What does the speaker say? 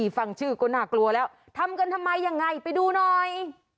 ฟังชื่อก็น่ากลัวแล้วทำกันทำไมยังไงไปดูหน่อย